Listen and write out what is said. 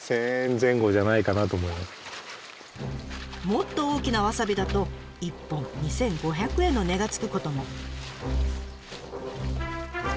もっと大きなわさびだと１本２，５００円の値がつくことも。